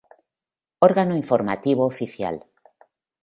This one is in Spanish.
Órgano Informativo oficial.